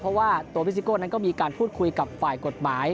เพราะว่าตัวพี่ซิโก้นั้นก็มีการพูดคุยกับฝ่ายกฎหมาย